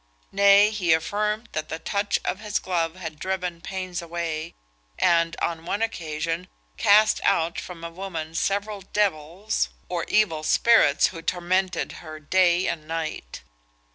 Nay, he affirmed that the touch of his glove had driven pains away, and, on one occasion, cast out from a woman several devils, or evil spirits, who tormented her day and night.